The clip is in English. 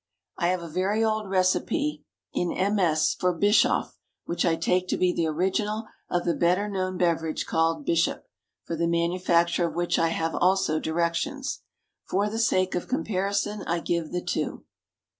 I have a very old recipe, in MS., for "Bischoff," which I take to be the original of the better known beverage called "Bishop," for the manufacture of which I have also directions. For the sake of comparison I give the two.